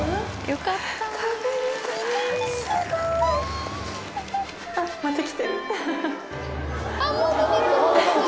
よかった。